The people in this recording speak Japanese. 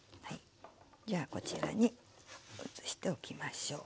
じゃあこちらに移しておきましょう。